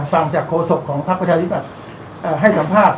ฟังจากโครสกของภักดิ์ประชาชนิดหน้าให้สัมภาษณ์